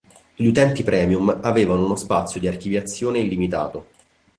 Gli utenti premium avevano uno spazio di archiviazione illimitato.